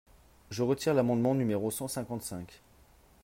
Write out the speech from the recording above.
Je retire l’amendement numéro cent cinquante-cinq.